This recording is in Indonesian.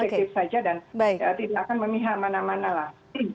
efektif saja dan tidak akan memihak mana mana lah